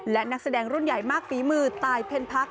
และนักแสดงรุ่นใหญ่มากฝีมือตายเพ็ญพัก